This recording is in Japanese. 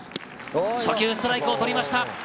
初球ストライクを取りました。